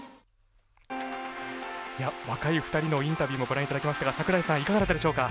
若い２人のインタビューもご覧いただきましたが櫻井さんいかがだったでしょうか？